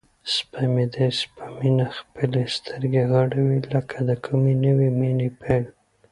سپی مې داسې په مینه خپلې سترګې غړوي لکه د کومې نوې مینې پیل.